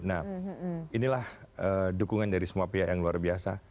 nah inilah dukungan dari semua pihak yang luar biasa